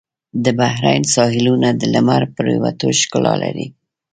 د بحرین ساحلونه د لمر پرېوتو ښکلا لري.